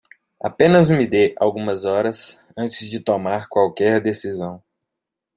Apenas me dê algumas horas antes de tomar qualquer decisão.